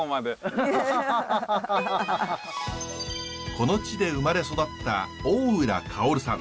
この地で生まれ育った大浦薫さん。